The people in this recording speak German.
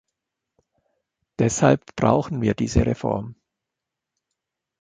Deshalb brauchen wir dieses Reform.